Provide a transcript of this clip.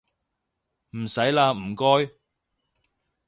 唔使喇唔該